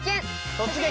「突撃！